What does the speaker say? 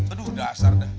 aduh dasar dah